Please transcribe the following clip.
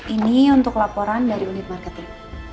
ini untuk laporan dari unit marketing